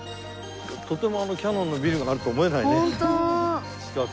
とてもキヤノンのビルがあると思えないね近くに。